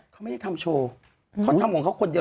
เขาไม่ได้ทำโชว์เขาทำของเขาคนเดียว